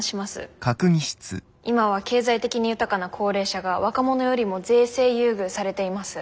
今は経済的に豊かな高齢者が若者よりも税制優遇されています。